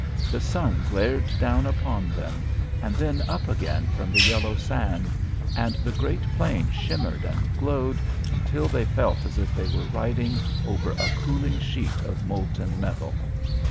The sun glared down upon them, and then up again from the yellow sand, and the great plain shimmered and glowed until they felt as if they were riding over a cooling sheet of molten metal.